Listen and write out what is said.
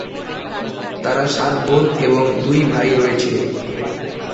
তার সাত বোন এবং দুই ভাই রয়েছে।